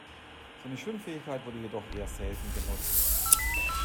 Seine Schwimmfähigkeit wurde jedoch eher selten genutzt.